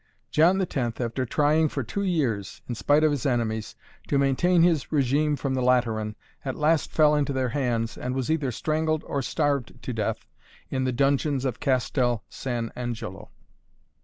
John X., after trying for two years, in spite of his enemies, to maintain his regime from the Lateran, at last fell into their hands and was either strangled or starved to death in the dungeons of Castel San Angelo.